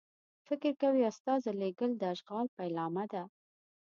فکر کوي استازو لېږل د اشغال پیلامه ده.